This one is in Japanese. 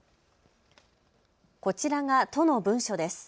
こちらが都の文書です。